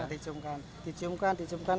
dijumkan dijumkan dijumkan